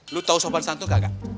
lu tau sopan santun kagak